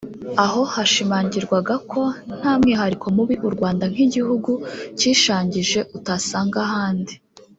aho hashimangirwaga ko nta mwihariko mubi u Rwanda nk’igihugu kishangije utasanga ahandi